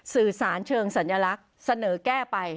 สื่อสารเชิงสัญลักษณ์เสนอแก้ไป